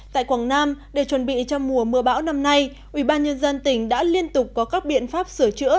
tại quảng nam để chuẩn bị cho mùa mưa bão năm nay ubnd tỉnh đã liên tục có các biện pháp sửa chữa